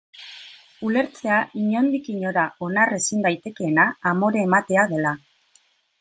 Ulertzea inondik inora onar ezin daitekeena amore ematea dela.